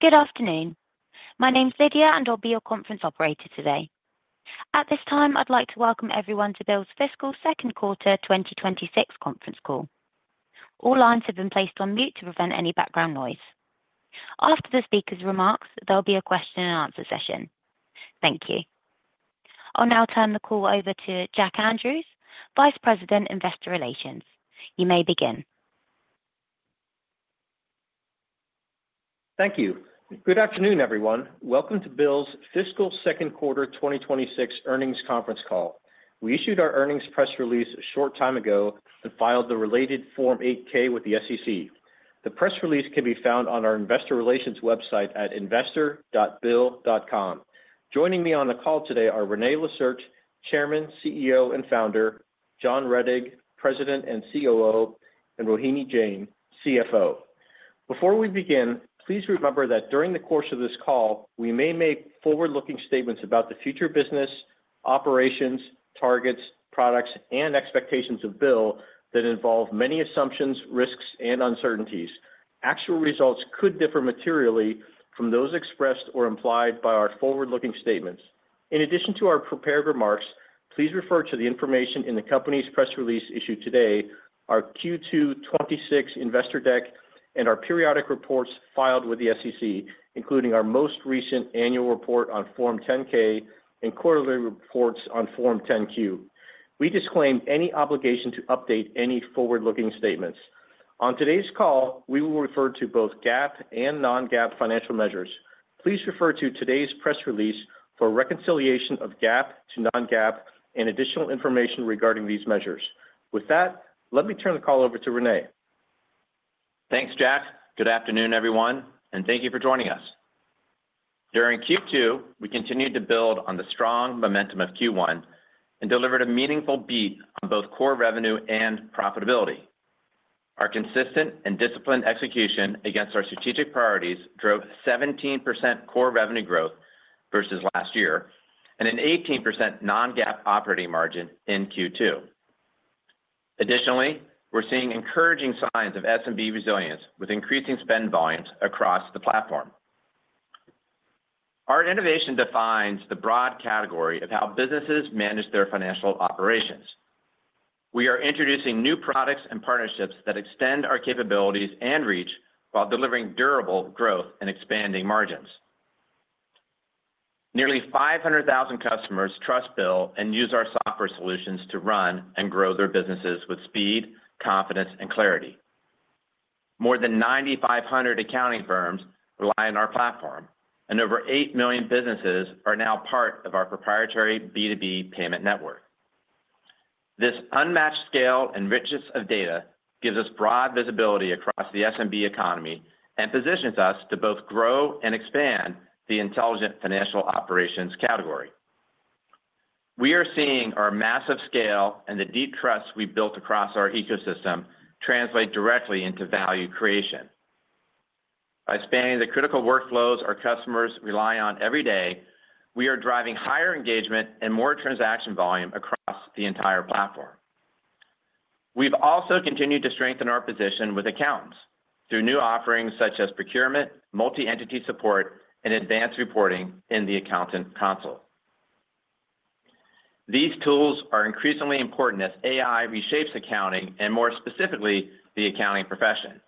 Good afternoon. My name is Lydia, and I'll be your conference operator today. At this time, I'd like to welcome everyone to BILL's fiscal second quarter 2026 conference call. All lines have been placed on mute to prevent any background noise. After the speaker's remarks, there'll be a question and answer session. Thank you. I'll now turn the call over to Jack Andrews, Vice President, Investor Relations. You may begin. Thank you. Good afternoon, everyone. Welcome to BILL's fiscal second quarter 2026 earnings conference call. We issued our earnings press release a short time ago and filed the related Form 8-K with the SEC. The press release can be found on our investor relations website at investor.bill.com. Joining me on the call today are René Lacerte, Chairman, CEO, and Founder, John Rettig, President and COO, and Rohini Jain, CFO. Before we begin, please remember that during the course of this call, we may make forward-looking statements about the future business, operations, targets, products, and expectations of BILL that involve many assumptions, risks, and uncertainties. Actual results could differ materially from those expressed or implied by our forward-looking statements. In addition to our prepared remarks, please refer to the information in the company's press release issued today, our Q2 26 investor deck, and our periodic reports filed with the SEC, including our most recent annual report on Form 10-K and quarterly reports on Form 10-Q. We disclaim any obligation to update any forward-looking statements. On today's call, we will refer to both GAAP and non-GAAP financial measures. Please refer to today's press release for a reconciliation of GAAP to non-GAAP and additional information regarding these measures. With that, let me turn the call over to René. Thanks, Jack. Good afternoon, everyone, and thank you for joining us. During Q2, we continued to build on the strong momentum of Q1 and delivered a meaningful beat on both core revenue and profitability. Our consistent and disciplined execution against our strategic priorities drove 17% core revenue growth versus last year and an 18% non-GAAP operating margin in Q2. Additionally, we're seeing encouraging signs of SMB resilience, with increasing spend volumes across the platform. Our innovation defines the broad category of how businesses manage their financial operations. We are introducing new products and partnerships that extend our capabilities and reach while delivering durable growth and expanding margins. Nearly 500,000 customers trust BILL and use our software solutions to run and grow their businesses with speed, confidence, and clarity. More than 9,500 accounting firms rely on our platform, and over 8 million businesses are now part of our proprietary B2B payment network. This unmatched scale and richness of data gives us broad visibility across the SMB economy and positions us to both grow and expand the intelligent financial operations category. We are seeing our massive scale and the deep trust we've built across our ecosystem translate directly into value creation. By spanning the critical workflows our customers rely on every day, we are driving higher engagement and more transaction volume across the entire platform. We've also continued to strengthen our position with accountants through new offerings such as procurement, multi-entity support, and advanced reporting in the Accountant Console. These tools are increasingly important as AI reshapes accounting and, more specifically, the accounting profession.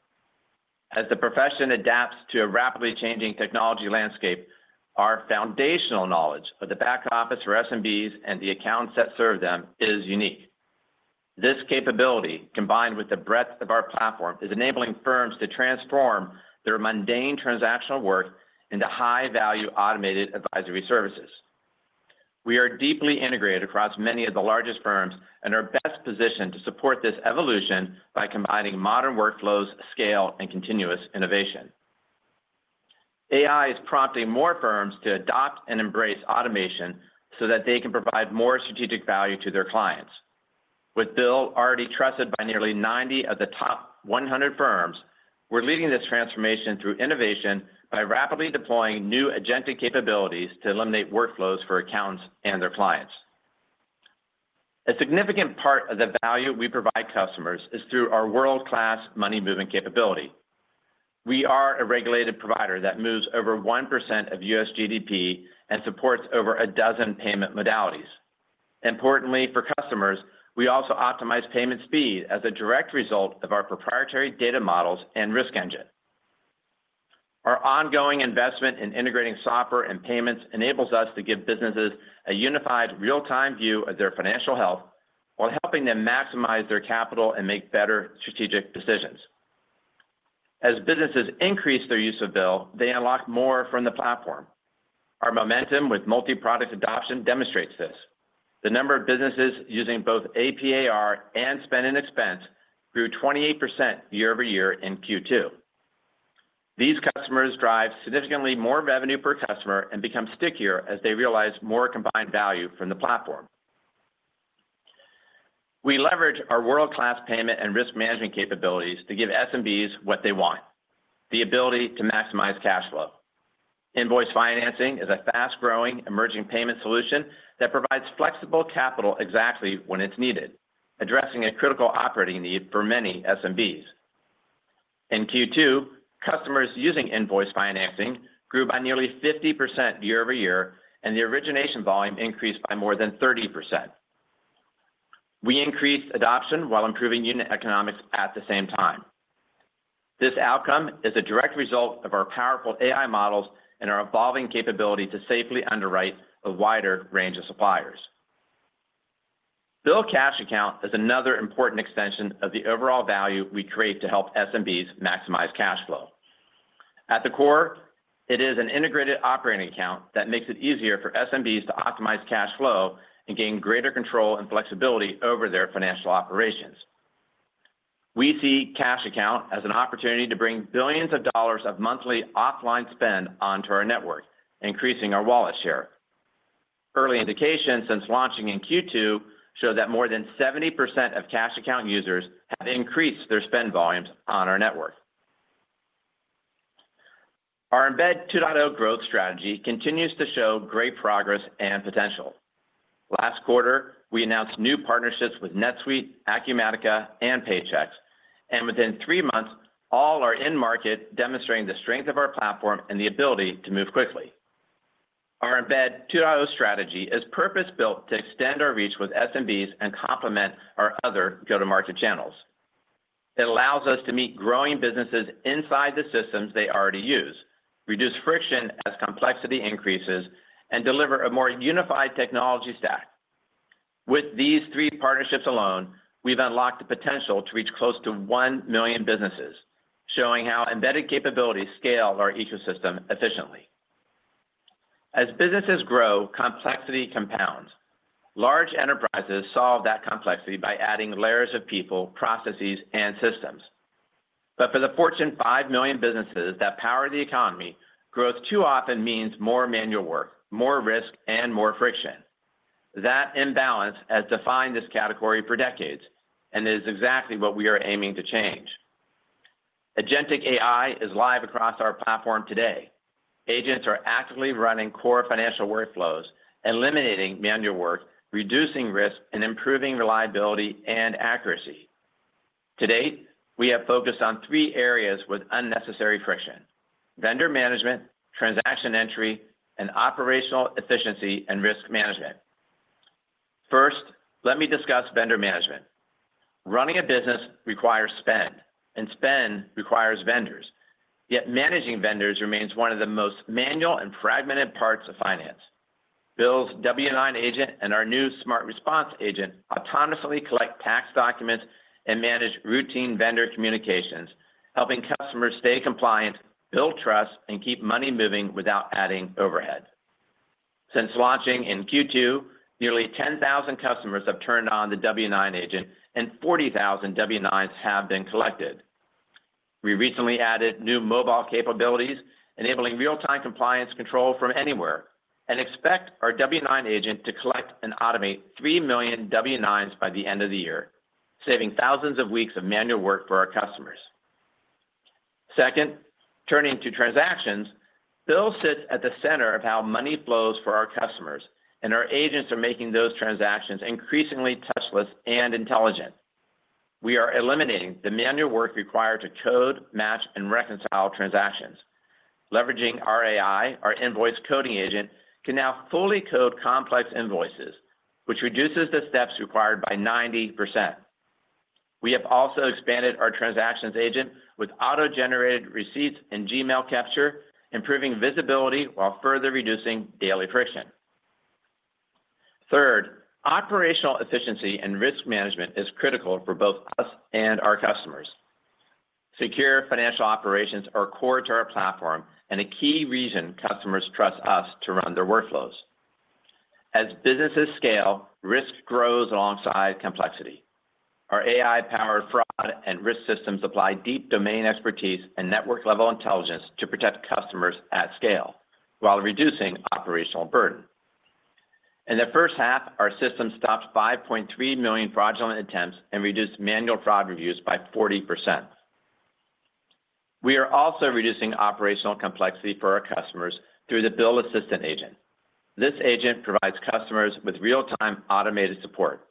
As the profession adapts to a rapidly changing technology landscape, our foundational knowledge of the back office for SMBs and the accounts that serve them is unique. This capability, combined with the breadth of our platform, is enabling firms to transform their mundane transactional work into high-value, automated advisory services. We are deeply integrated across many of the largest firms and are best positioned to support this evolution by combining modern workflows, scale, and continuous innovation. AI is prompting more firms to adopt and embrace automation so that they can provide more strategic value to their clients. With BILL already trusted by nearly 90 of the top 100 firms, we're leading this transformation through innovation by rapidly deploying new agentic capabilities to eliminate workflows for accountants and their clients. A significant part of the value we provide customers is through our world-class money movement capability. We are a regulated provider that moves over 1% of U.S. GDP and supports over a dozen payment modalities. Importantly for customers, we also optimize payment speed as a direct result of our proprietary data models and risk engine. Our ongoing investment in integrating software and payments enables us to give businesses a unified real-time view of their financial health while helping them maximize their capital and make better strategic decisions. As businesses increase their use of BILL, they unlock more from the platform. Our momentum with multi-product adoption demonstrates this. The number of businesses using both AP/AR and Spend & Expense grew 28% year-over-year in Q2. These customers drive significantly more revenue per customer and become stickier as they realize more combined value from the platform. We leverage our world-class payment and risk management capabilities to give SMBs what they want, the ability to maximize cash flow. Invoice financing is a fast-growing, emerging payment solution that provides flexible capital exactly when it's needed, addressing a critical operating need for many SMBs. In Q2, customers using invoice financing grew by nearly 50% year-over-year, and the origination volume increased by more than 30%. We increased adoption while improving unit economics at the same time. This outcome is a direct result of our powerful AI models and our evolving capability to safely underwrite a wider range of suppliers. BILL Cash Account is another important extension of the overall value we create to help SMBs maximize cash flow. At the core, it is an integrated operating account that makes it easier for SMBs to optimize cash flow and gain greater control and flexibility over their financial operations. We see Cash Account as an opportunity to bring $ billions of monthly offline spend onto our network, increasing our wallet share. Early indications since launching in Q2 show that more than 70% of Cash Account users have increased their spend volumes on our network. Our Embed 2.0 growth strategy continues to show great progress and potential. Last quarter, we announced new partnerships with NetSuite, Acumatica, and Paychex, and within three months, all are in market, demonstrating the strength of our platform and the ability to move quickly. Our Embed 2.0 strategy is purpose-built to extend our reach with SMBs and complement our other go-to-market channels. It allows us to meet growing businesses inside the systems they already use, reduce friction as complexity increases, and deliver a more unified technology stack. With these three partnerships alone, we've unlocked the potential to reach close to 1 million businesses, showing how embedded capabilities scale our ecosystem efficiently. As businesses grow, complexity compounds. Large enterprises solve that complexity by adding layers of people, processes, and systems. But for the 5 million businesses that power the economy, growth too often means more manual work, more risk, and more friction. That imbalance has defined this category for decades and is exactly what we are aiming to change. Agentic AI is live across our platform today. Agents are actively running core financial workflows, eliminating manual work, reducing risk, and improving reliability and accuracy. To date, we have focused on three areas with unnecessary friction: vendor management, transaction entry, and operational efficiency and risk management. First, let me discuss vendor management. Running a business requires spend, and spend requires vendors, yet managing vendors remains one of the most manual and fragmented parts of finance. BILL's W-9 agent and our new Smart Response agent autonomously collect tax documents and manage routine vendor communications, helping customers stay compliant, build trust, and keep money moving without adding overhead. Since launching in Q2, nearly 10,000 customers have turned on the W-9 agent, and 40,000 W-9s have been collected. We recently added new mobile capabilities, enabling real-time compliance control from anywhere, and expect our W-9 agent to collect and automate 3 million W-9s by the end of the year, saving thousands of weeks of manual work for our customers. Second, turning to transactions, BILL sits at the center of how money flows for our customers, and our agents are making those transactions increasingly touchless and intelligent. We are eliminating the manual work required to code, match, and reconcile transactions. Leveraging our AI, our invoice coding agent can now fully code complex invoices, which reduces the steps required by 90%. We have also expanded our transactions agent with auto-generated receipts and Gmail capture, improving visibility while further reducing daily friction. Third, operational efficiency and risk management is critical for both us and our customers. Secure financial operations are core to our platform and a key reason customers trust us to run their workflows. As businesses scale, risk grows alongside complexity. Our AI-powered fraud and risk systems apply deep domain expertise and network-level intelligence to protect customers at scale while reducing operational burden. In the first half, our system stopped 5.3 million fraudulent attempts and reduced manual fraud reviews by 40%. We are also reducing operational complexity for our customers through the BILL Assistant agent. This agent provides customers with real-time automated support.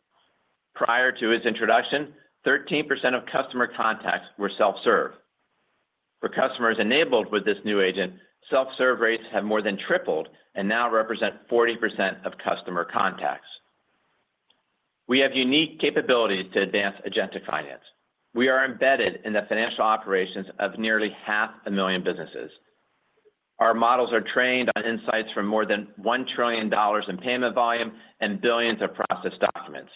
Prior to its introduction, 13% of customer contacts were self-serve. For customers enabled with this new agent, self-serve rates have more than tripled and now represent 40% of customer contacts. We have unique capabilities to advance agentic finance. We are embedded in the financial operations of nearly 500,000 businesses. Our models are trained on insights from more than $1 trillion in payment volume and billions of processed documents.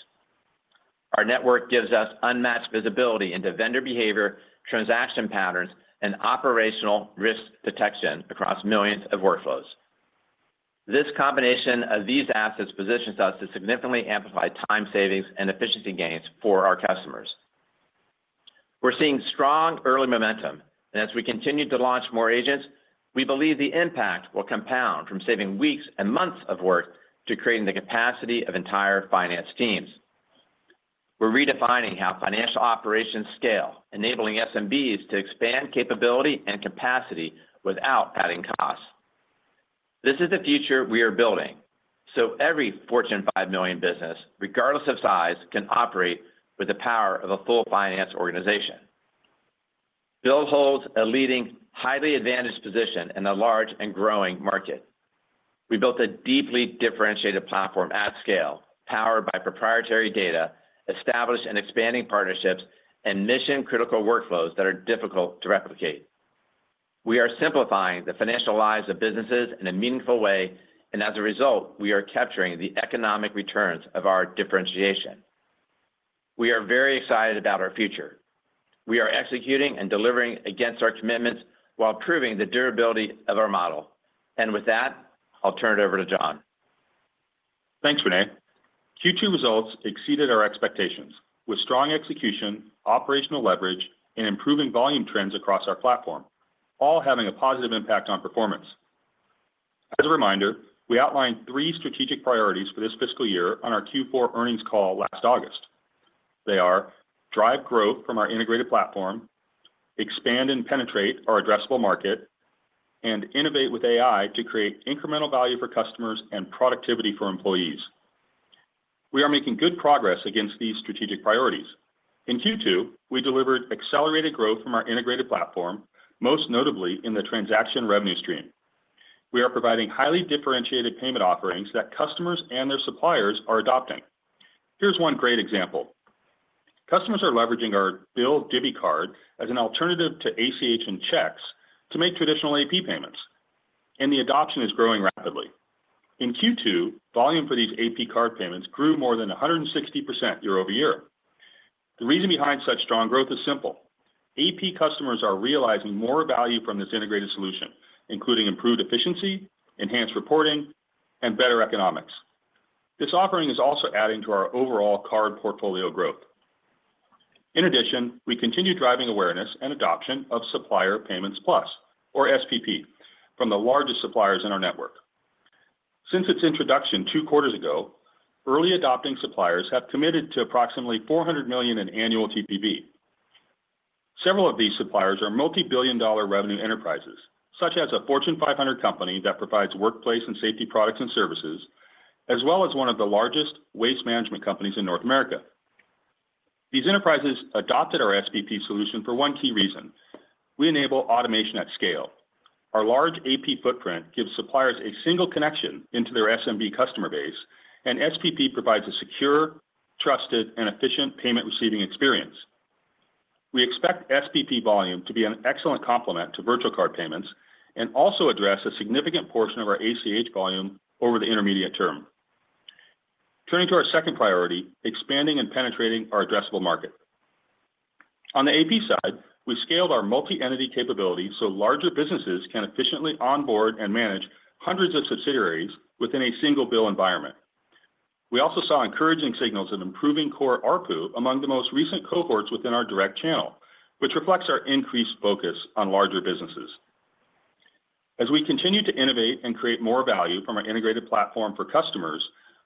Our network gives us unmatched visibility into vendor behavior, transaction patterns, and operational risk detection across millions of workflows. This combination of these assets positions us to significantly amplify time savings and efficiency gains for our customers. We're seeing strong early momentum, and as we continue to launch more agents, we believe the impact will compound from saving weeks and months of work to creating the capacity of entire finance teams. We're redefining how financial operations scale, enabling SMBs to expand capability and capacity without adding costs. This is the future we are building, so every Fortune 500 business, regardless of size, can operate with the power of a full finance organization. BILL holds a leading, highly advantaged position in a large and growing market. We built a deeply differentiated platform at scale, powered by proprietary data, established and expanding partnerships, and mission-critical workflows that are difficult to replicate. We are simplifying the financial lives of businesses in a meaningful way, and as a result, we are capturing the economic returns of our differentiation. We are very excited about our future. We are executing and delivering against our commitments while proving the durability of our model. With that, I'll turn it over to John. Thanks, René. Q2 results exceeded our expectations, with strong execution, operational leverage, and improving volume trends across our platform, all having a positive impact on performance. As a reminder, we outlined three strategic priorities for this fiscal year on our Q4 earnings call last August. They are: drive growth from our integrated platform, expand and penetrate our addressable market, and innovate with AI to create incremental value for customers and productivity for employees. We are making good progress against these strategic priorities. In Q2, we delivered accelerated growth from our integrated platform, most notably in the transaction revenue stream. We are providing highly differentiated payment offerings that customers and their suppliers are adopting. Here's one great example: customers are leveraging our BILL Divvy Card as an alternative to ACH and checks to make traditional AP payments, and the adoption is growing rapidly. In Q2, volume for these AP card payments grew more than 160% year-over-year. The reason behind such strong growth is simple. AP customers are realizing more value from this integrated solution, including improved efficiency, enhanced reporting, and better economics. This offering is also adding to our overall card portfolio growth. In addition, we continue driving awareness and adoption of Supplier Payments Plus, or SPP, from the largest suppliers in our network. Since its introduction two quarters ago, early adopting suppliers have committed to approximately $400 million in annual TPV. Several of these suppliers are multi-billion-dollar revenue enterprises, such as a Fortune 500 company that provides workplace and safety products and services, as well as one of the largest waste management companies in North America. These enterprises adopted our SPP solution for one key reason: we enable automation at scale. Our large AP footprint gives suppliers a single connection into their SMB customer base, and SPP provides a secure, trusted, and efficient payment receiving experience. We expect SPP volume to be an excellent complement to virtual card payments and also address a significant portion of our ACH volume over the intermediate term. Turning to our second priority, expanding and penetrating our addressable market. On the AP side, we've scaled our multi-entity capabilities so larger businesses can efficiently onboard and manage hundreds of subsidiaries within a single bill environment. We also saw encouraging signals of improving core ARPU among the most recent cohorts within our direct channel, which reflects our increased focus on larger businesses. As we continue to innovate and create more value from our integrated platform for customers,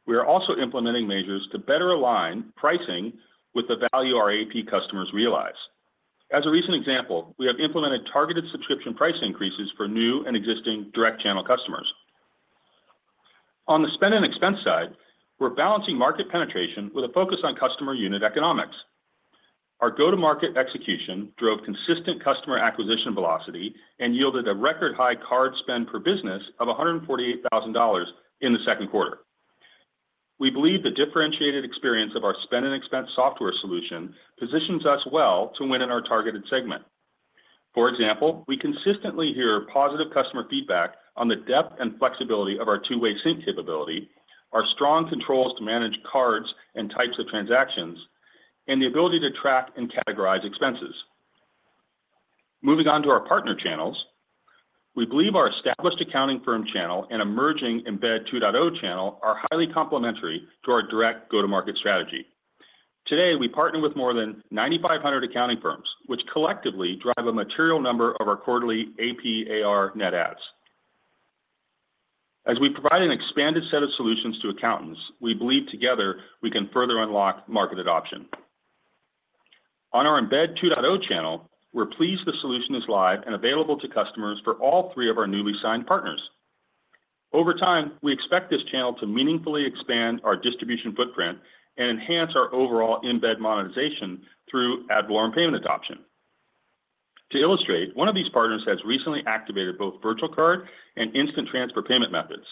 we are also implementing measures to better align pricing with the value our AP customers realize. As a recent example, we have implemented targeted subscription price increases for new and existing direct channel customers. On the Spend & Expense side, we're balancing market penetration with a focus on customer unit economics. Our go-to-market execution drove consistent customer acquisition velocity and yielded a record-high card spend per business of $148,000 in the second quarter. We believe the differentiated experience of our Spend & Expense software solution positions us well to win in our targeted segment. For example, we consistently hear positive customer feedback on the depth and flexibility of our two-way sync capability, our strong controls to manage cards and types of transactions, and the ability to track and categorize expenses. Moving on to our partner channels, we believe our established accounting firm channel and emerging Embed 2.0 channel are highly complementary to our direct go-to-market strategy. Today, we partner with more than 9,500 accounting firms, which collectively drive a material number of our quarterly AP/AR net adds. As we provide an expanded set of solutions to accountants, we believe together we can further unlock market adoption. On our Embed 2.0 channel, we're pleased the solution is live and available to customers for all three of our newly signed partners. Over time, we expect this channel to meaningfully expand our distribution footprint and enhance our overall embed monetization through ad valorem payment adoption. To illustrate, one of these partners has recently activated both virtual card and instant transfer payment methods.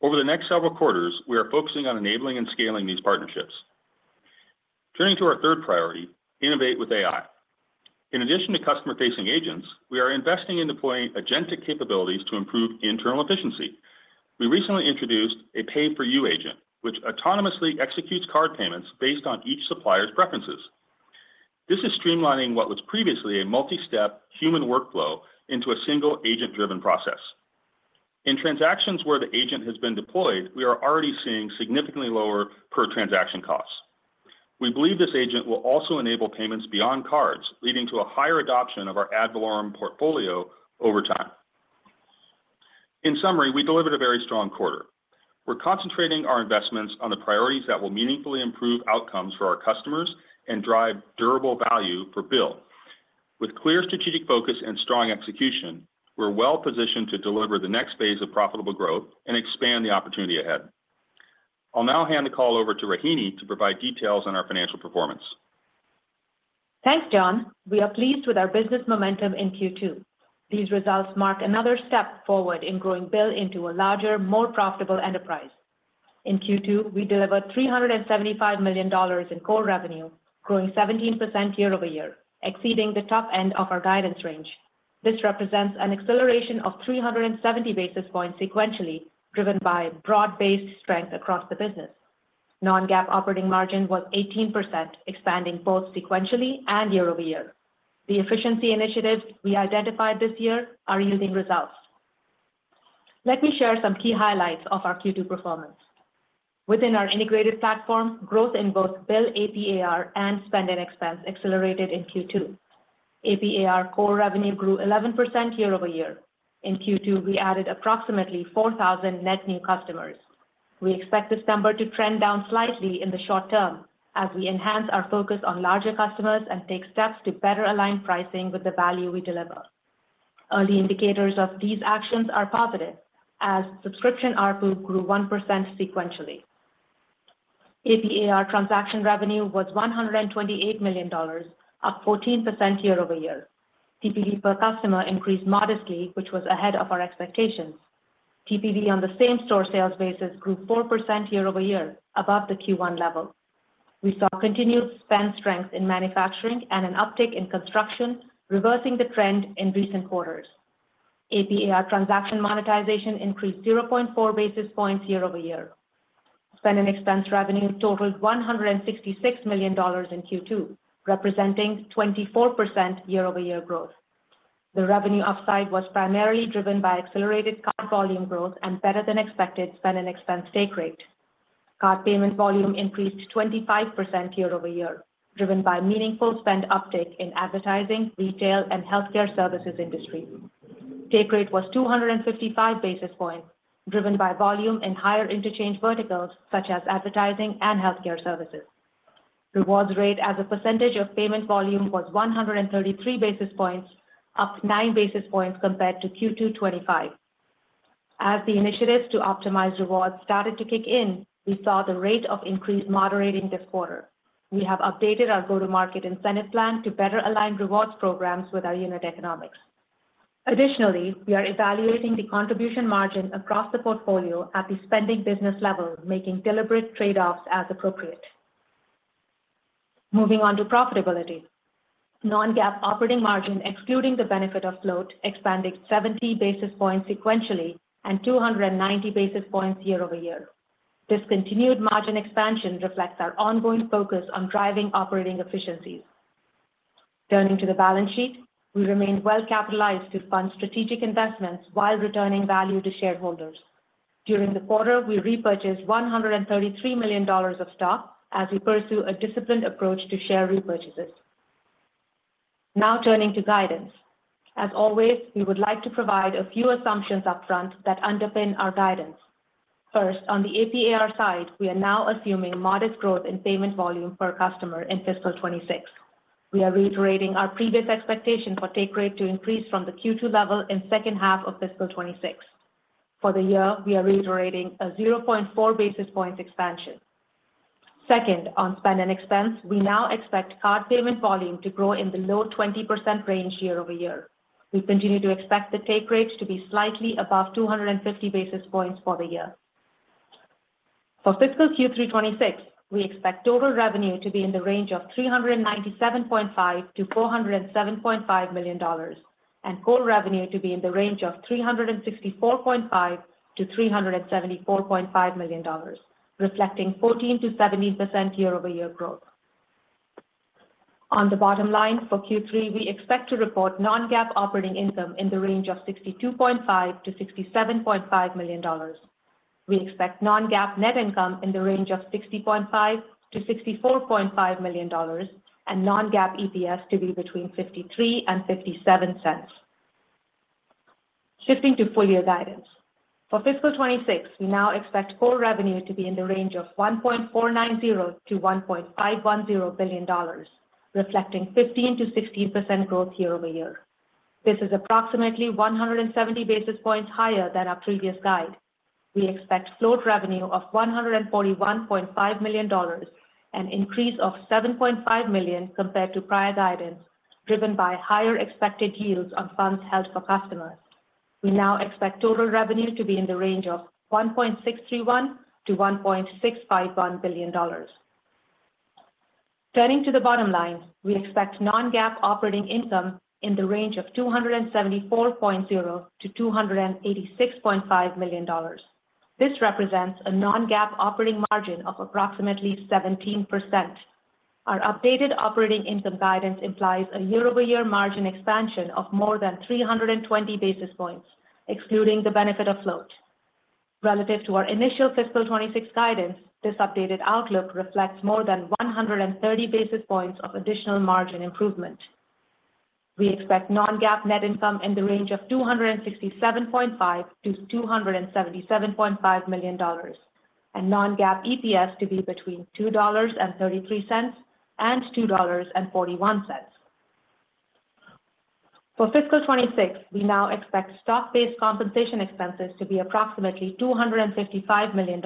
Over the next several quarters, we are focusing on enabling and scaling these partnerships. Turning to our third priority, innovate with AI. In addition to customer-facing agents, we are investing in deploying agentic capabilities to improve internal efficiency. We recently introduced a Pay For You agent, which autonomously executes card payments based on each supplier's preferences. This is streamlining what was previously a multi-step human workflow into a single agent-driven process. In transactions where the agent has been deployed, we are already seeing significantly lower per-transaction costs. We believe this agent will also enable payments beyond cards, leading to a higher adoption of our ad valorem portfolio over time. In summary, we delivered a very strong quarter. We're concentrating our investments on the priorities that will meaningfully improve outcomes for our customers and drive durable value for BILL. With clear strategic focus and strong execution, we're well-positioned to deliver the next phase of profitable growth and expand the opportunity ahead. I'll now hand the call over to Rohini to provide details on our financial performance. Thanks, John. We are pleased with our business momentum in Q2. These results mark another step forward in growing BILL into a larger, more profitable enterprise. In Q2, we delivered $375 million in core revenue, growing 17% year-over-year, exceeding the top end of our guidance range. This represents an acceleration of 370 basis points sequentially, driven by broad-based strength across the business. Non-GAAP operating margin was 18%, expanding both sequentially and year-over-year. The efficiency initiatives we identified this year are yielding results. Let me share some key highlights of our Q2 performance. Within our integrated platform, growth in both BILL AP/AR and Spend & Expense accelerated in Q2. AP/AR core revenue grew 11% year-over-year. In Q2, we added approximately 4,000 net new customers. We expect this number to trend down slightly in the short term as we enhance our focus on larger customers and take steps to better align pricing with the value we deliver. Early indicators of these actions are positive, as subscription ARPU grew 1% sequentially. AP/AR transaction revenue was $128 million, up 14% year-over-year. TPV per customer increased modestly, which was ahead of our expectations. TPV on the same-store sales basis grew 4% year-over-year, above the Q1 level. We saw continued spend strength in manufacturing and an uptick in construction, reversing the trend in recent quarters. AP/AR transaction monetization increased 0.4 basis points year-over-year. Spend & Expense revenue totaled $166 million in Q2, representing 24% year-over-year growth. The revenue upside was primarily driven by accelerated card volume growth and better than expected Spend & Expense take rate. Card payment volume increased 25% year-over-year, driven by meaningful spend uptick in advertising, retail, and healthcare services industry. Take rate was 255 basis points, driven by volume and higher interchange verticals such as advertising and healthcare services. Rewards rate as a percentage of payment volume was 133 basis points, up 9 basis points compared to Q2 2025. As the initiatives to optimize rewards started to kick in, we saw the rate of increase moderating this quarter. We have updated our go-to-market incentive plan to better align rewards programs with our unit economics. Additionally, we are evaluating the contribution margin across the portfolio at the spending business level, making deliberate trade-offs as appropriate. Moving on to profitability. Non-GAAP operating margin, excluding the benefit of float, expanded 70 basis points sequentially and 290 basis points year-over-year. This continued margin expansion reflects our ongoing focus on driving operating efficiencies. Turning to the balance sheet, we remain well-capitalized to fund strategic investments while returning value to shareholders. During the quarter, we repurchased $133 million of stock as we pursue a disciplined approach to share repurchases. Now, turning to guidance. As always, we would like to provide a few assumptions upfront that underpin our guidance. First, on the AP/AR side, we are now assuming modest growth in payment volume per customer in fiscal 2026. We are reiterating our previous expectation for take rate to increase from the Q2 level in second half of fiscal 2026. For the year, we are reiterating a 0.4 basis points expansion. Second, on Spend & Expense, we now expect card payment volume to grow in the low 20% range year-over-year. We continue to expect the take rates to be slightly above 250 basis points for the year. For fiscal Q3 2026, we expect total revenue to be in the range of $397.5 million-$407.5 million, and core revenue to be in the range of $364.5 million-$374.5 million, reflecting 14%-17% year-over-year growth. On the bottom line, for Q3, we expect to report non-GAAP operating income in the range of $62.5 million-$67.5 million. We expect non-GAAP net income in the range of $60.5 million-$64.5 million, and non-GAAP EPS to be between $0.53 and $0.57. Shifting to full year guidance. For fiscal 2026, we now expect core revenue to be in the range of $1.490 billion-$1.510 billion, reflecting 15%-16% growth year-over-year. This is approximately 170 basis points higher than our previous guide. We expect float revenue of $141.5 million, an increase of $7.5 million compared to prior guidance, driven by higher expected yields on funds held for customers. We now expect total revenue to be in the range of $1.631 billion-$1.651 billion. Turning to the bottom line, we expect non-GAAP operating income in the range of $274.0 million-$286.5 million. This represents a non-GAAP operating margin of approximately 17%. Our updated operating income guidance implies a year-over-year margin expansion of more than 320 basis points, excluding the benefit of float. Relative to our initial fiscal 2026 guidance, this updated outlook reflects more than 130 basis points of additional margin improvement. We expect non-GAAP net income in the range of $267.5 million-$277.5 million, and non-GAAP EPS to be between $2.33 and $2.41. For fiscal 2026, we now expect stock-based compensation expenses to be approximately $255 million,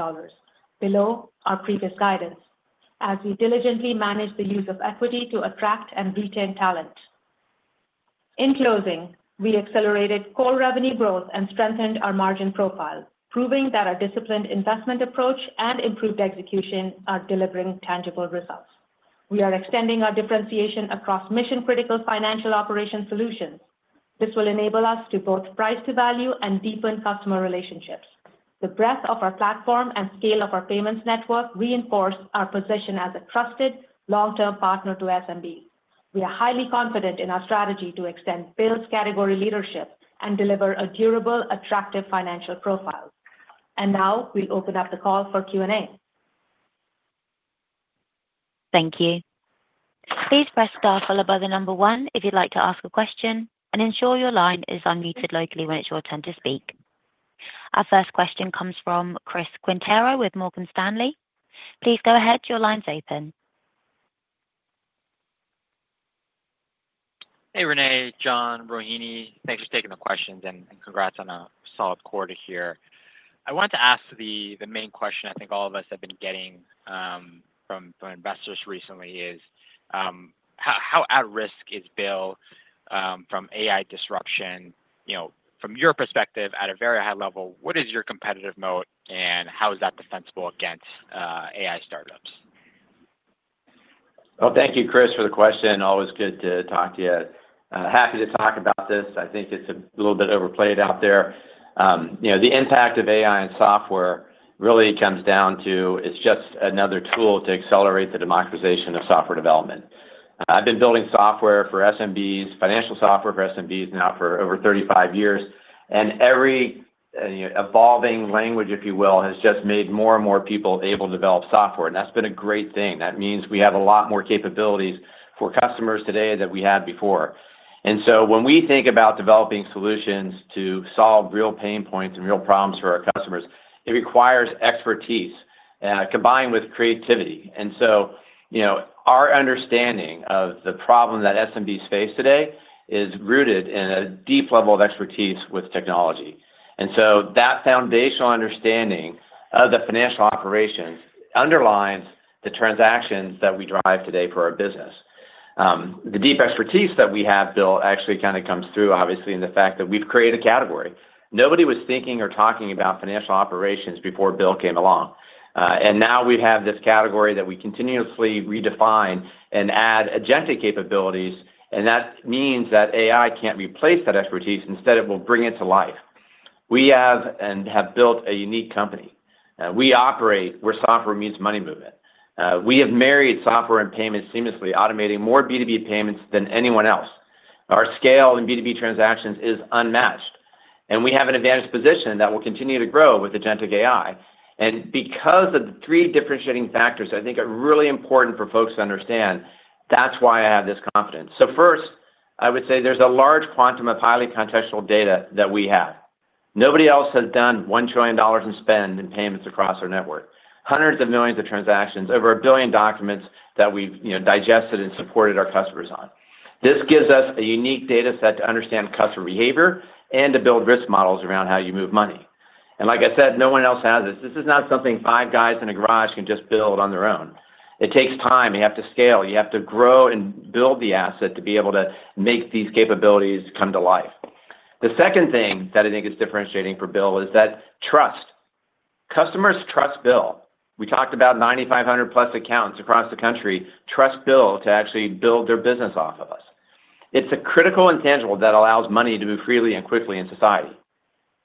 below our previous guidance, as we diligently manage the use of equity to attract and retain talent. In closing, we accelerated core revenue growth and strengthened our margin profile, proving that our disciplined investment approach and improved execution are delivering tangible results. We are extending our differentiation across mission-critical financial operation solutions. This will enable us to both price to value and deepen customer relationships. The breadth of our platform and scale of our payments network reinforce our position as a trusted, long-term partner to SMB. We are highly confident in our strategy to extend BILL's category leadership and deliver a durable, attractive financial profile. And now, we'll open up the call for Q&A. Thank you. Please press star followed by the number one if you'd like to ask a question, and ensure your line is unmuted locally when it's your turn to speak. Our first question comes from Chris Quintero with Morgan Stanley. Please go ahead. Your line's open. Hey, René, John, Rohini, thanks for taking the questions, and congrats on a solid quarter here. I wanted to ask the main question I think all of us have been getting from investors recently is how at risk is BILL from AI disruption? You know, from your perspective, at a very high level, what is your competitive moat, and how is that defensible against AI startups? Well, thank you, Chris, for the question. Always good to talk to you. Happy to talk about this. I think it's a little bit overplayed out there. You know, the impact of AI and software really comes down to it's just another tool to accelerate the democratization of software development. I've been building software for SMBs, financial software for SMBs now for over 35 years, and every evolving language, if you will, has just made more and more people able to develop software, and that's been a great thing. That means we have a lot more capabilities for customers today than we had before. And so when we think about developing solutions to solve real pain points and real problems for our customers, it requires expertise combined with creativity. You know, our understanding of the problem that SMBs face today is rooted in a deep level of expertise with technology. That foundational understanding of the financial operations underlines the transactions that we drive today for our business. The deep expertise that we have built actually comes through, obviously, in the fact that we've created a category. Nobody was thinking or talking about financial operations before BILL came along. Now we have this category that we continuously redefine and add agentic capabilities, and that means that AI can't replace that expertise. Instead, it will bring it to life. We have and have built a unique company. We operate where software meets money movement. We have married software and payments seamlessly, automating more B2B payments than anyone else. Our scale in B2B transactions is unmatched, and we have an advantage position that will continue to grow with agentic AI. And because of the three differentiating factors, I think are really important for folks to understand, that's why I have this confidence. So first, I would say there's a large quantum of highly contextual data that we have. Nobody else has done $1 trillion in spend and payments across our network. Hundreds of millions of transactions, over 1 billion documents that we've, you know, digested and supported our customers on. This gives us a unique data set to understand customer behavior and to build risk models around how you move money. And like I said, no one else has this. This is not something five guys in a garage can just build on their own. It takes time. You have to scale, you have to grow and build the asset to be able to make these capabilities come to life. The second thing that I think is differentiating for BILL is that trust. Customers trust BILL. We talked about 9,500+ accounts across the country, trust BILL to actually build their business off of us. It's a critical and tangible that allows money to move freely and quickly in society.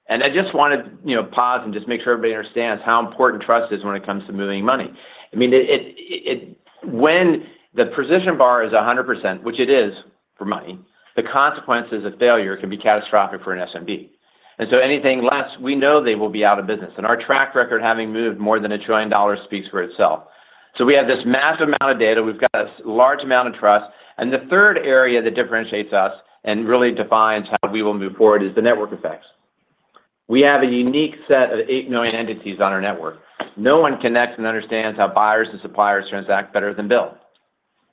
And I just want to, you know, pause and just make sure everybody understands how important trust is when it comes to moving money. I mean, it when the precision bar is 100%, which it is for money, the consequences of failure can be catastrophic for an SMB. And so anything less, we know they will be out of business, and our track record, having moved more than $1 trillion, speaks for itself. So we have this massive amount of data. We've got a large amount of trust. And the third area that differentiates us and really defines how we will move forward is the network effects. We have a unique set of 8 million entities on our network. No one connects and understands how buyers and suppliers transact better than BILL.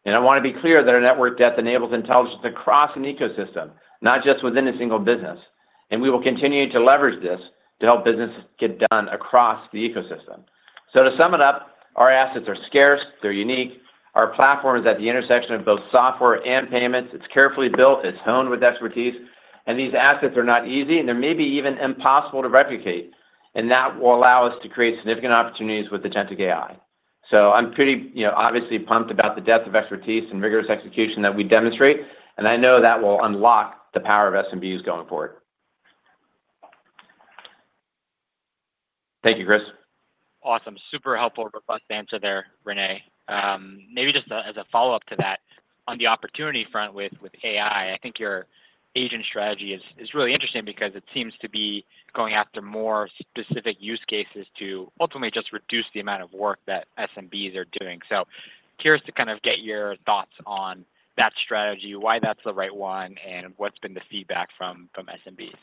And I want to be clear that our network depth enables intelligence across an ecosystem, not just within a single business, and we will continue to leverage this to help business get done across the ecosystem. So to sum it up, our assets are scarce, they're unique. Our platform is at the intersection of both software and payments. It's carefully built, it's honed with expertise, and these assets are not easy, and they may be even impossible to replicate. That will allow us to create significant opportunities with agentic AI. I'm pretty, you know, obviously pumped about the depth of expertise and rigorous execution that we demonstrate, and I know that will unlock the power of SMBs going forward. Thank you, Chris. Awesome. Super helpful, robust answer there, René. Maybe just as a follow-up to that, on the opportunity front with AI, I think your agent strategy is really interesting because it seems to be going after more specific use cases to ultimately just reduce the amount of work that SMBs are doing. So curious to kind of get your thoughts on that strategy, why that's the right one, and what's been the feedback from SMBs?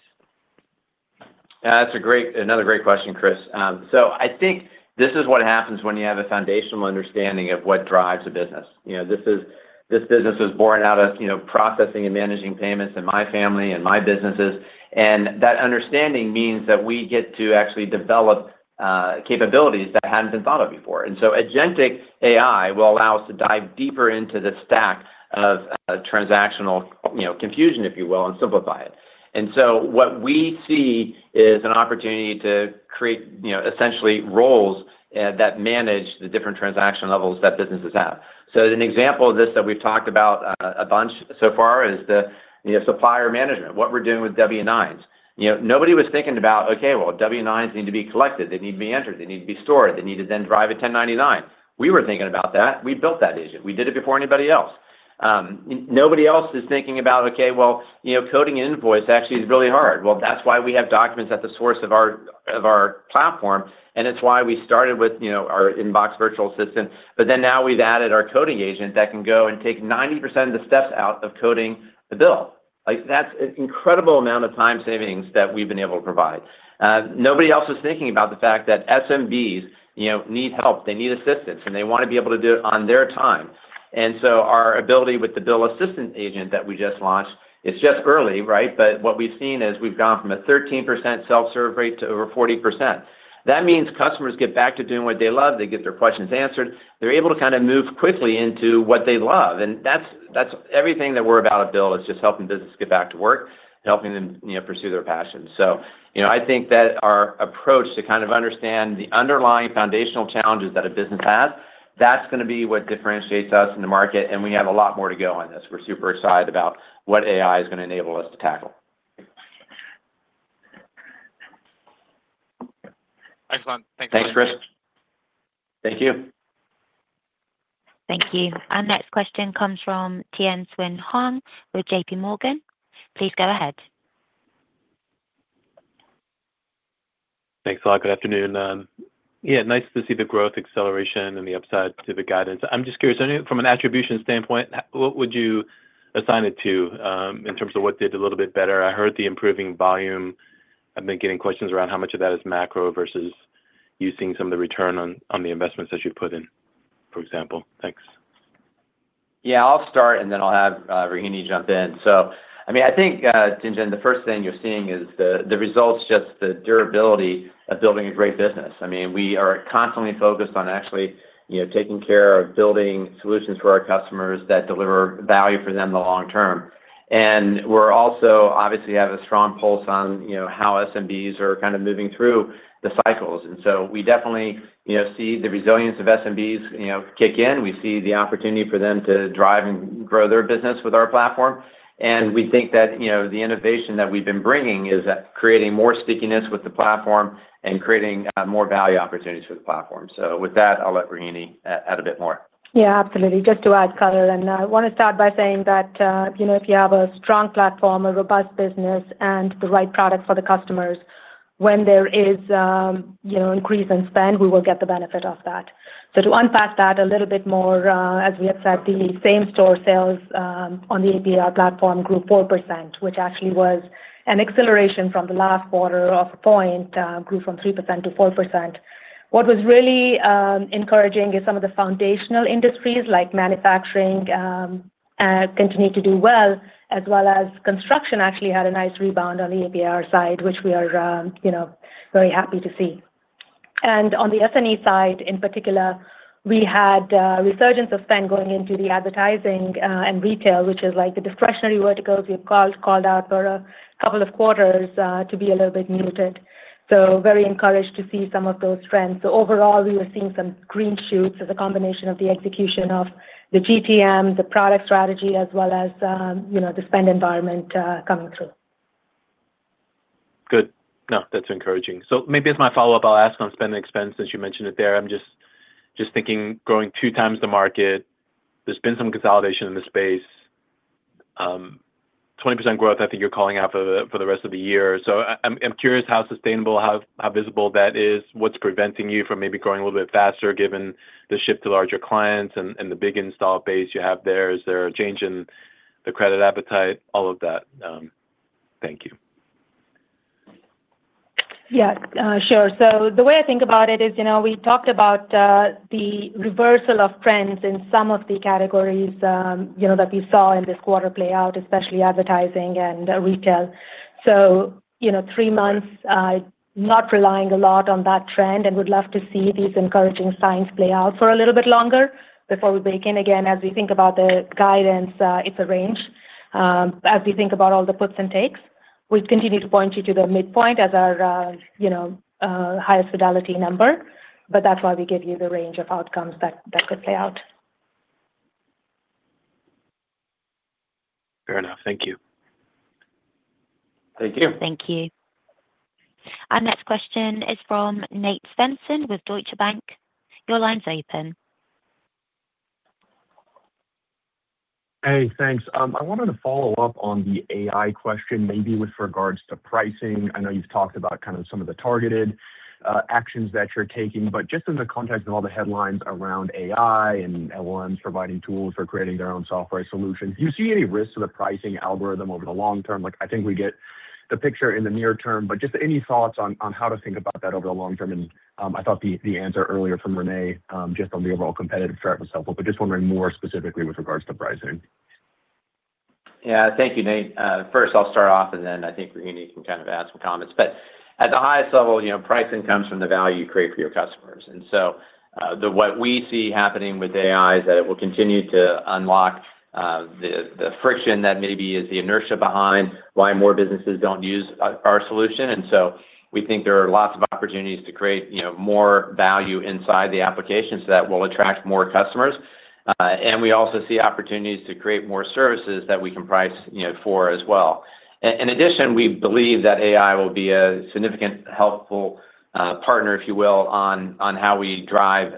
That's another great question, Chris. So I think this is what happens when you have a foundational understanding of what drives a business. You know, this is, this business was born out of, you know, processing and managing payments in my family and my businesses, and that understanding means that we get to actually develop capabilities that hadn't been thought of before. And so agentic AI will allow us to dive deeper into the stack of transactional, you know, confusion, if you will, and simplify it. And so what we see is an opportunity to create, you know, essentially roles that manage the different transaction levels that businesses have. So an example of this that we've talked about a bunch so far is the, you know, supplier management, what we're doing with W-9s. You know, nobody was thinking about, okay, well, W-9s need to be collected, they need to be entered, they need to be stored, they need to then drive a 1099. We were thinking about that. We built that agent. We did it before anybody else. Nobody else is thinking about, okay, well, you know, coding an invoice actually is really hard. Well, that's why we have documents at the source of our, of our platform, and it's why we started with, you know, our inbox virtual assistant. But then now we've added our coding agent that can go and take 90% of the steps out of coding the bill. Like, that's an incredible amount of time savings that we've been able to provide. Nobody else is thinking about the fact that SMBs, you know, need help, they need assistance, and they want to be able to do it on their time. And so our ability with the BILL Assistant agent that we just launched, it's just early, right? But what we've seen is we've gone from a 13% self-serve rate to over 40%. That means customers get back to doing what they love, they get their questions answered, they're able to kind of move quickly into what they love, and that's, that's everything that we're about at BILL, is just helping business get back to work, helping them, you know, pursue their passions. So, you know, I think that our approach to kind of understand the underlying foundational challenges that a business has, that's gonna be what differentiates us in the market, and we have a lot more to go on this. We're super excited about what AI is gonna enable us to tackle. Excellent. Thanks a lot. Thanks, Chris. Thank you. Thank you. Our next question comes from Tien-tsin Huang with JPMorgan. Please go ahead. Thanks a lot. Good afternoon. Yeah, nice to see the growth acceleration and the upside to the guidance. I'm just curious. I know from an attribution standpoint, what would you assign it to, in terms of what did a little bit better? I heard the improving volume. I've been getting questions around how much of that is macro versus you seeing some of the return on the investments that you've put in, for example. Thanks. Yeah, I'll start, and then I'll have Rohini jump in. So, I mean, I think, Tien-tsin, the first thing you're seeing is the results, just the durability of building a great business. I mean, we are constantly focused on actually, you know, taking care of building solutions for our customers that deliver value for them in the long term. And we're also obviously have a strong pulse on, you know, how SMBs are kind of moving through the cycles. And so we definitely, you know, see the resilience of SMBs, you know, kick in. We see the opportunity for them to drive and grow their business with our platform. And we think that, you know, the innovation that we've been bringing is that creating more stickiness with the platform and creating more value opportunities for the platform. With that, I'll let Rohini add a bit more. Yeah, absolutely. Just to add color, and I want to start by saying that, you know, if you have a strong platform, a robust business, and the right product for the customers, when there is, you know, increase in spend, we will get the benefit of that. So to unpack that a little bit more, as we expect the same-store sales, on the AP/AR platform grew 4%, which actually was an acceleration from the last quarter of a point, grew from 3% to 4%. What was really encouraging is some of the foundational industries like manufacturing continued to do well, as well as construction actually had a nice rebound on the AP/AR side, which we are, you know, very happy to see. On the S&E side, in particular, we had a resurgence of spend going into the advertising and retail, which is like the discretionary verticals we've called out for a couple of quarters to be a little bit muted. So very encouraged to see some of those trends. So overall, we are seeing some green shoots as a combination of the execution of the GTM, the product strategy, as well as you know, the spend environment coming through. Good. No, that's encouraging. So maybe as my follow-up, I'll ask on Spend & Expense, since you mentioned it there. I'm just thinking, growing two times the market, there's been some consolidation in the space. 20% growth, I think you're calling out for the rest of the year. So I'm curious how sustainable, how visible that is, what's preventing you from maybe growing a little bit faster, given the shift to larger clients and the big install base you have there. Is there a change in the credit appetite? All of that. Thank you. Yeah, sure. So the way I think about it is, you know, we talked about the reversal of trends in some of the categories, you know, that we saw in this quarter play out, especially advertising and retail. So, you know, three months, not relying a lot on that trend, and would love to see these encouraging signs play out for a little bit longer before we bake in again. As we think about the guidance, it's a range. As we think about all the puts and takes, we'd continue to point you to the midpoint as our, you know, highest fidelity number, but that's why we give you the range of outcomes that could play out. Fair enough. Thank you. Thank you. Thank you. Our next question is from Nate Svensson with Deutsche Bank. Your line's open. Hey, thanks. I wanted to follow up on the AI question, maybe with regards to pricing. I know you've talked about kind of some of the targeted actions that you're taking, but just in the context of all the headlines around AI and LLMs providing tools for creating their own software solutions, do you see any risks to the pricing algorithm over the long term? Like, I think we get the picture in the near term, but just any thoughts on how to think about that over the long term? And I thought the answer earlier from René just on the overall competitive threat was helpful, but just wondering more specifically with regards to pricing. Yeah. Thank you, Nate. First I'll start off, and then I think Rohini can kind of add some comments. But at the highest level, you know, pricing comes from the value you create for your customers. And so, what we see happening with AI is that it will continue to unlock the friction that maybe is the inertia behind why more businesses don't use our solution. And so we think there are lots of opportunities to create, you know, more value inside the application so that we'll attract more customers. And we also see opportunities to create more services that we can price, you know, for as well. In addition, we believe that AI will be a significant, helpful partner, if you will, on how we drive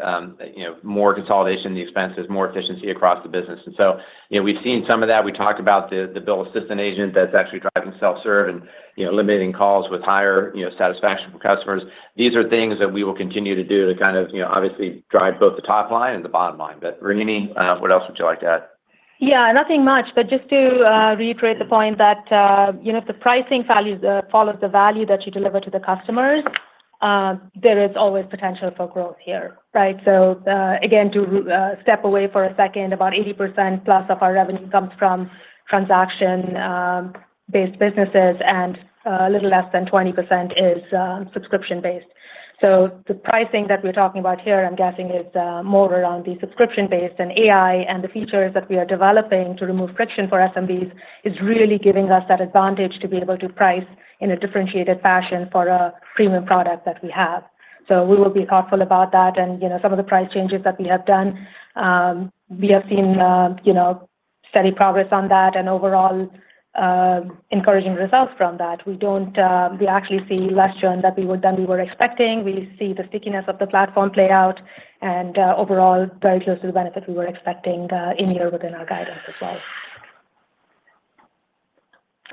more consolidation in the expenses, more efficiency across the business. And so, you know, we've seen some of that. We talked about the BILL Assistant agent that's actually driving self-serve and, you know, eliminating calls with higher, you know, satisfaction from customers. These are things that we will continue to do to kind of, you know, obviously drive both the top line and the bottom line. But, Rohini, what else would you like to add? Yeah, nothing much, but just to reiterate the point that you know, if the pricing values follows the value that you deliver to the customers, there is always potential for growth here, right? So, again, to step away for a second, about 80%+ of our revenue comes from transaction-based businesses, and a little less than 20% is subscription-based. So the pricing that we're talking about here, I'm guessing, is more around the subscription-based and AI, and the features that we are developing to remove friction for SMBs is really giving us that advantage to be able to price in a differentiated fashion for a premium product that we have. So we will be thoughtful about that. You know, some of the price changes that we have done, we have seen, you know, steady progress on that and overall, encouraging results from that. We don't. We actually see less churn than we were expecting. We see the stickiness of the platform play out, and overall, very close to the benefit we were expecting, in here within our guidance as well.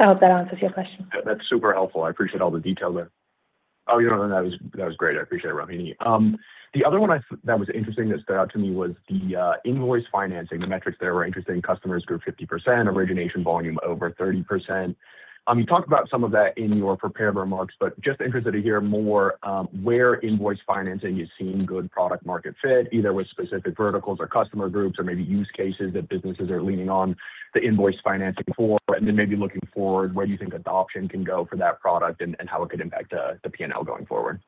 I hope that answers your question. That's super helpful. I appreciate all the detail there. Oh, you know, that was, that was great. I appreciate it, Rohini. The other one that was interesting, that stood out to me was the Invoice Financing. The metrics there were interesting. Customers grew 50%, origination volume over 30%. You talked about some of that in your prepared remarks, but just interested to hear more, where Invoice Financing is seeing good product market fit, either with specific verticals or customer groups, or maybe use cases that businesses are leaning on the Invoice Financing for, and then maybe looking forward, where you think adoption can go for that product and, and how it could impact the P&L going forward.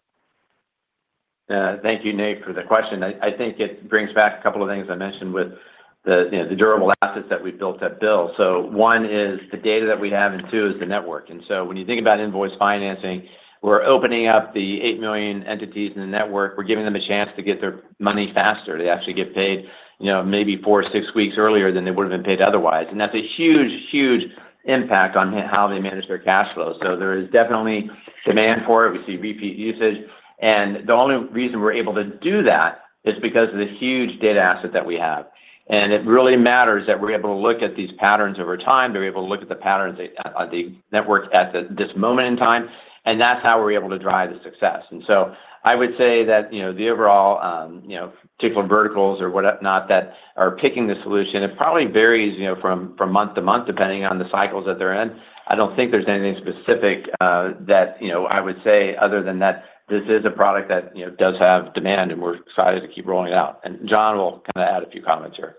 Thank you, Nate, for the question. I think it brings back a couple of things I mentioned with the, you know, the durable assets that we built at BILL. So one is the data that we have, and two is the network. And so when you think about invoice financing, we're opening up the 8 million entities in the network. We're giving them a chance to get their money faster. They actually get paid, you know, maybe four to six weeks earlier than they would have been paid otherwise. And that's a huge, huge impact on how they manage their cash flow. So there is definitely demand for it. We see repeat usage, and the only reason we're able to do that is because of the huge data asset that we have. It really matters that we're able to look at these patterns over time, to be able to look at the patterns at the network at this moment in time, and that's how we're able to drive the success. So I would say that, you know, the overall, you know, particular verticals or whatnot, that are picking the solution, it probably varies, you know, from month to month, depending on the cycles that they're in. I don't think there's anything specific, that, you know, I would say other than that this is a product that, you know, does have demand, and we're excited to keep rolling it out. And John will kinda add a few comments here.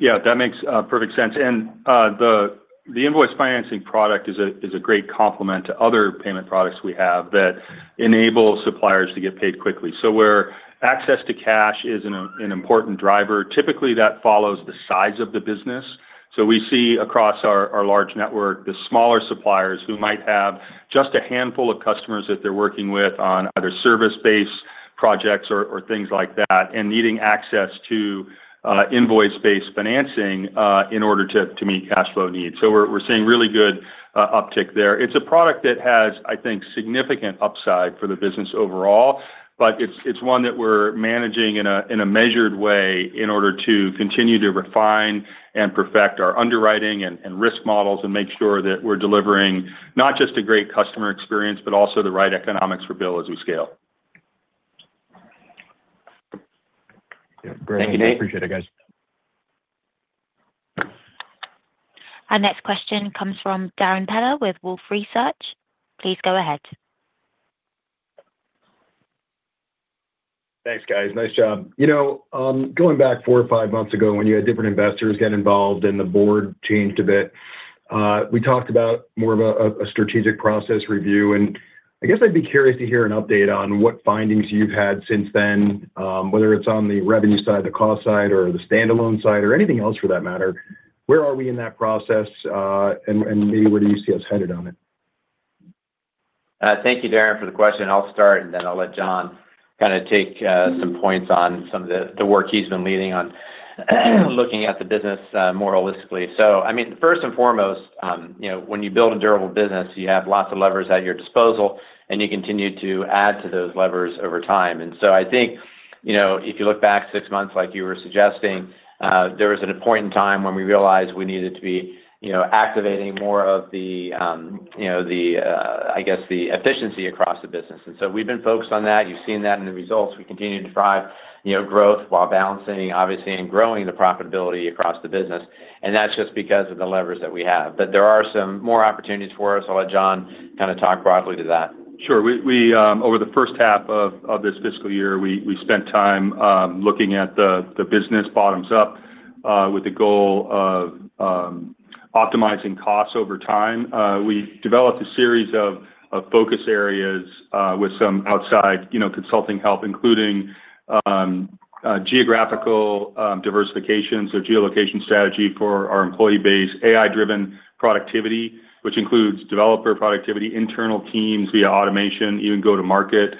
Yeah, that makes perfect sense. And the invoice financing product is a great complement to other payment products we have that enable suppliers to get paid quickly. So where access to cash is an important driver, typically that follows the size of the business. So we see across our large network, the smaller suppliers who might have just a handful of customers that they're working with on either service-based projects or things like that, and needing access to invoice-based financing in order to meet cash flow needs. So we're seeing really good uptick there. It's a product that has, I think, significant upside for the business overall, but it's one that we're managing in a measured way in order to continue to refine and perfect our underwriting and risk models, and make sure that we're delivering not just a great customer experience, but also the right economics for BILL as we scale. Yeah. Thank you, Nate. Great. I appreciate it, guys. Our next question comes from Darrin Peller with Wolfe Research. Please go ahead. Thanks, guys. Nice job. You know, going back four or five months ago, when you had different investors get involved and the board changed a bit, we talked about more of a strategic process review, and I guess I'd be curious to hear an update on what findings you've had since then, whether it's on the revenue side, the cost side, or the standalone side, or anything else for that matter. Where are we in that process, and maybe where do you see us headed on it? Thank you, Darrin, for the question. I'll start, and then I'll let John kind of take some points on some of the work he's been leading on looking at the business more holistically. So I mean, first and foremost, you know, when you build a durable business, you have lots of levers at your disposal, and you continue to add to those levers over time. And so I think, you know, if you look back six months like you were suggesting, there was an important time when we realized we needed to be, you know, activating more of the, you know, I guess, the efficiency across the business. And so we've been focused on that. You've seen that in the results. We continue to drive, you know, growth while balancing, obviously, and growing the profitability across the business, and that's just because of the levers that we have. But there are some more opportunities for us. I'll let John kind of talk broadly to that. Sure. We over the first half of this fiscal year, we spent time looking at the business bottoms up, with the goal of optimizing costs over time. We developed a series of focus areas, with some outside, you know, consulting help, including geographical diversification, so geolocation strategy for our employee base, AI-driven productivity, which includes developer productivity, internal teams via automation, even go-to-market,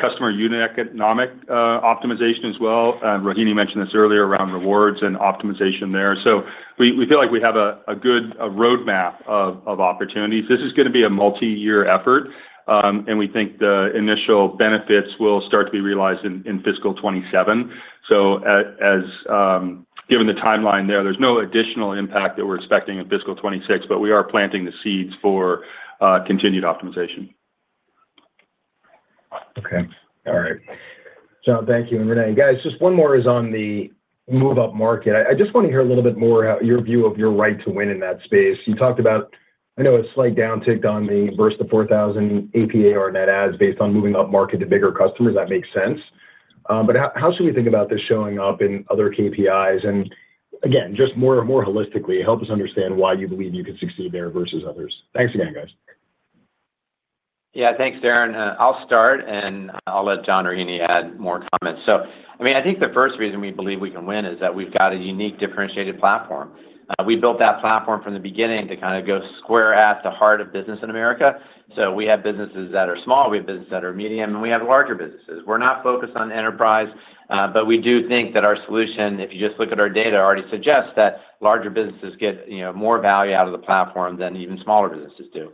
customer unit economic optimization as well. And Rohini mentioned this earlier around rewards and optimization there. So we feel like we have a good roadmap of opportunities. This is gonna be a multi-year effort, and we think the initial benefits will start to be realized in fiscal 2027. So, as given the timeline there, there's no additional impact that we're expecting in fiscal 2026, but we are planting the seeds for continued optimization. Okay. All right. John, thank you, and René. Guys, just one more is on the move-up market. I just want to hear a little bit more how your view of your right to win in that space. You talked about, I know, a slight downtick on the versus the 4,000 AP/AR net adds based on moving up market to bigger customers. That makes sense. But how should we think about this showing up in other KPIs? And again, just more and more holistically, help us understand why you believe you can succeed there versus others. Thanks again, guys. Yeah. Thanks, Darrin. I'll start, and I'll let John or Rohini add more comments. So, I mean, I think the first reason we believe we can win is that we've got a unique, differentiated platform. We built that platform from the beginning to kind of go square at the heart of business in America. So we have businesses that are small, we have businesses that are medium, and we have larger businesses. We're not focused on enterprise, but we do think that our solution, if you just look at our data, already suggests that larger businesses get, you know, more value out of the platform than even smaller businesses do.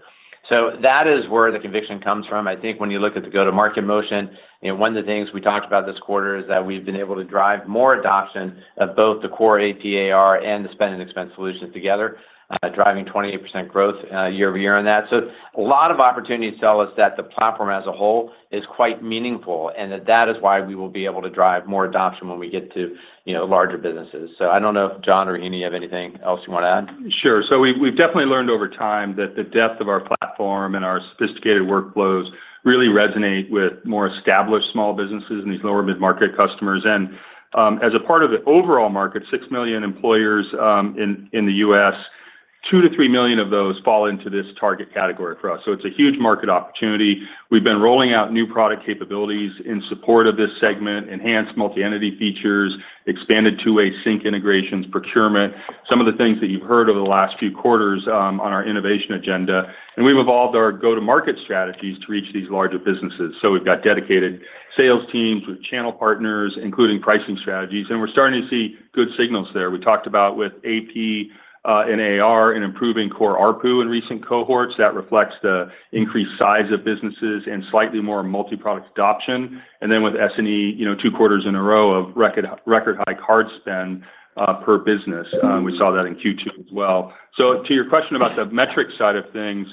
So that is where the conviction comes from. I think when you look at the go-to-market motion, you know, one of the things we talked about this quarter is that we've been able to drive more adoption of both the core AP/AR and the Spend & Expense solutions together, driving 28% growth, year-over-year on that. So a lot of opportunities tell us that the platform as a whole is quite meaningful, and that that is why we will be able to drive more adoption when we get to, you know, larger businesses. So I don't know if John or Rohini have anything else you want to add. Sure. So we've definitely learned over time that the depth of our platform and our sophisticated workflows really resonate with more established small businesses and these lower mid-market customers. And, as a part of the overall market, 6 million employers in the U.S., 2-3 million of those fall into this target category for us. So it's a huge market opportunity. We've been rolling out new product capabilities in support of this segment, enhanced multi-entity features, expanded two-way sync integrations, procurement, some of the things that you've heard over the last few quarters on our innovation agenda, and we've evolved our go-to-market strategies to reach these larger businesses. So we've got dedicated sales teams with channel partners, including pricing strategies, and we're starting to see good signals there. We talked about with AP and AR and improving core ARPU in recent cohorts. That reflects the increased size of businesses and slightly more multi-product adoption. And then with S&E, you know, two quarters in a row of record, record high card spend per business. We saw that in Q2 as well. So to your question about the metric side of things,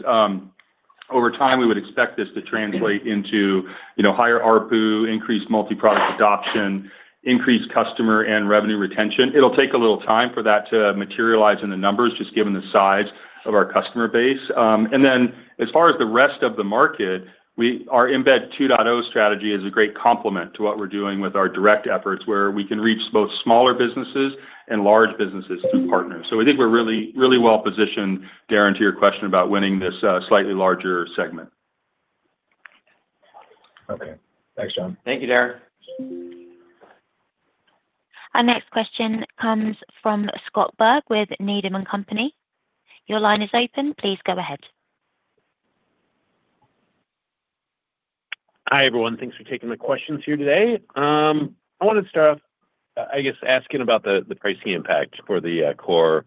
over time, we would expect this to translate into, you know, higher ARPU, increased multi-product adoption, increased customer and revenue retention. It'll take a little time for that to materialize in the numbers, just given the size of our customer base. And then as far as the rest of the market, we our Embed 2.0 strategy is a great complement to what we're doing with our direct efforts, where we can reach both smaller businesses and large businesses through partners. I think we're really, really well positioned, Darrin, to your question about winning this slightly larger segment. Okay. Thanks, John. Thank you, Darrin. Our next question comes from Scott Berg with Needham & Company. Your line is open. Please go ahead. Hi, everyone. Thanks for taking the questions here today. I wanted to start off, I guess, asking about the pricing impact for the core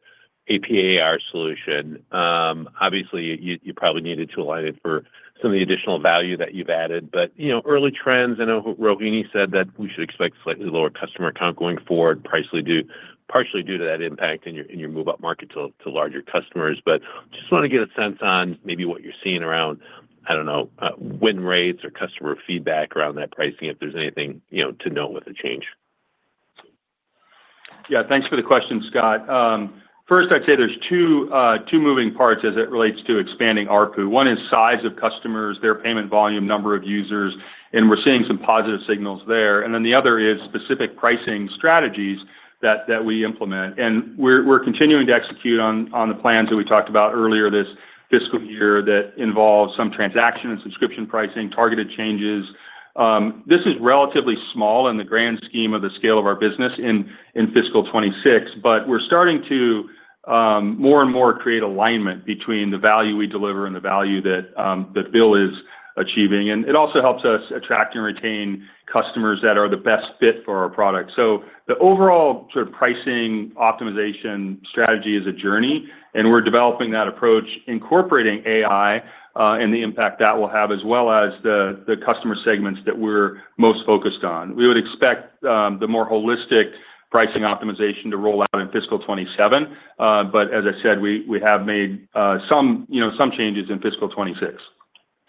AP/AR solution. Obviously, you probably needed to align it for some of the additional value that you've added, but, you know, early trends, I know Rohini said that we should expect slightly lower customer count going forward, price-wise partially due to that impact in your move-up market to larger customers. But just want to get a sense on maybe what you're seeing around, I don't know, win rates or customer feedback around that pricing, if there's anything, you know, to note with the change. Yeah, thanks for the question, Scott. First, I'd say there's two moving parts as it relates to expanding ARPU. One is size of customers, their payment volume, number of users, and we're seeing some positive signals there. And then the other is specific pricing strategies that we implement. And we're continuing to execute on the plans that we talked about earlier this fiscal year that involve some transaction and subscription pricing, targeted changes. This is relatively small in the grand scheme of the scale of our business in fiscal 2026, but we're starting to- more and more create alignment between the value we deliver and the value that, that BILL is achieving. It also helps us attract and retain customers that are the best fit for our product. The overall sort of pricing optimization strategy is a journey, and we're developing that approach, incorporating AI, and the impact that will have, as well as the customer segments that we're most focused on. We would expect the more holistic pricing optimization to roll out in fiscal 2027. But as I said, we have made some, you know, some changes in fiscal 2026.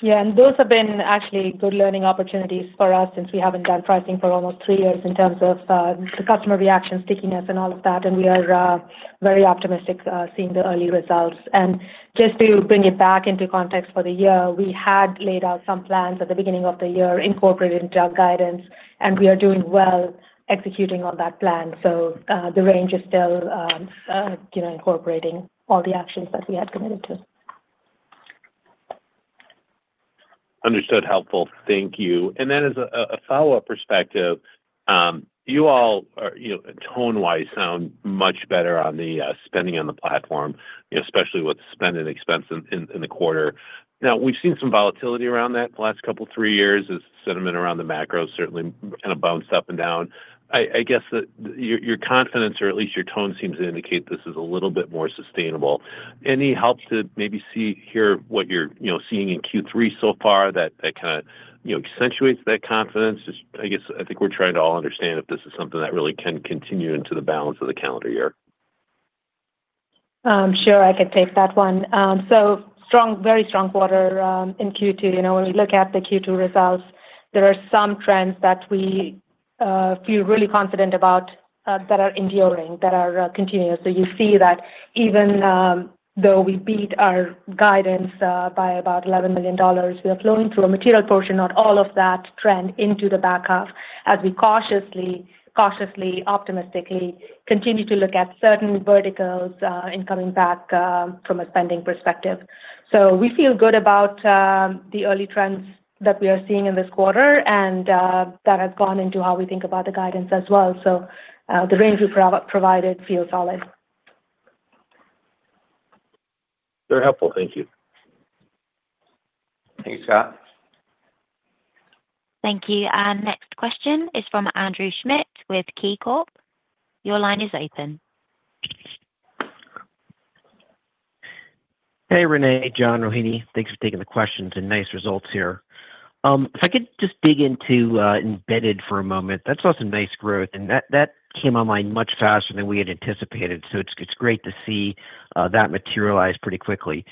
Yeah, and those have been actually good learning opportunities for us since we haven't done pricing for almost three years in terms of, the customer reaction, stickiness, and all of that, and we are, very optimistic, seeing the early results. And just to bring it back into context for the year, we had laid out some plans at the beginning of the year, incorporated into our guidance, and we are doing well executing on that plan. So, the range is still, you know, incorporating all the actions that we had committed to. Understood. Helpful. Thank you. And then as a follow-up perspective, you all are, you know, tone-wise, sound much better on the spending on the platform, especially with Spend & Expense in the quarter. Now, we've seen some volatility around that the last couple, three years as sentiment around the macro certainly kind of bounced up and down. I guess that your confidence, or at least your tone, seems to indicate this is a little bit more sustainable. Any help to maybe see, hear what you're, you know, seeing in Q3 so far that kinda accentuates that confidence? Just I guess, I think we're trying to all understand if this is something that really can continue into the balance of the calendar year. Sure, I could take that one. So strong, very strong quarter in Q2. You know, when we look at the Q2 results, there are some trends that we feel really confident about that are enduring, that are continuous. So you see that even though we beat our guidance by about $11 million, we are flowing through a material portion, not all of that trend, into the back half, as we cautiously, cautiously, optimistically continue to look at certain verticals in coming back from a spending perspective. So we feel good about the early trends that we are seeing in this quarter, and that has gone into how we think about the guidance as well. So the range we provided feels solid. Very helpful. Thank you. Thanks, Scott. Thank you. Our next question is from Andrew Schmidt with KeyCorp. Your line is open. Hey, René, John, Rohini. Thanks for taking the questions, and nice results here. If I could just dig into Embedded for a moment. That saw some nice growth, and that, that came online much faster than we had anticipated, so it's, it's great to see that materialize pretty quickly.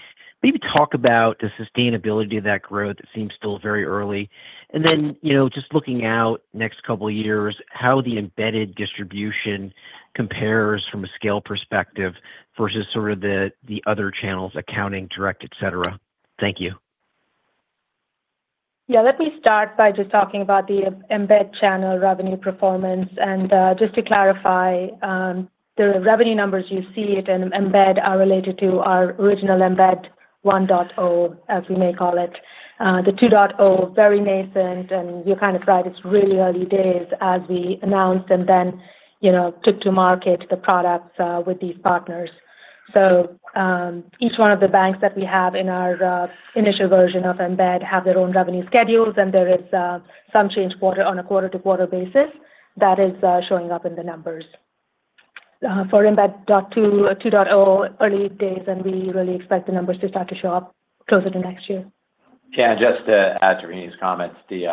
Maybe talk about the sustainability of that growth. It seems still very early. And then, you know, just looking out next couple of years, how the embedded distribution compares from a scale perspective versus sort of the, the other channels, accounting, direct, et cetera. Thank you. Yeah, let me start by just talking about the Embed channel revenue performance. And, just to clarify, the revenue numbers you see it in Embed are related to our original Embed 1.0, as we may call it. The 2.0, very nascent, and you're kind of right, it's really early days as we announced and then, you know, took to market the products, with these partners. So, each one of the banks that we have in our, initial version of Embed have their own revenue schedules, and there is, some change quarter on a quarter-to-quarter basis that is, showing up in the numbers. For Embed 2.0, early days, and we really expect the numbers to start to show up closer to next year. Yeah, just to add to Rohini's comments, the